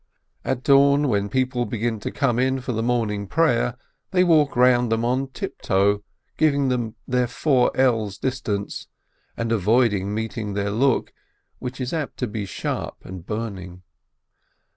At dawn, when the people begin to come in for the Morning Prayer, they walk round them on tiptoe, giving them their four ells' distance, and avoid meet ing their look, which is apt to be sharp and burning.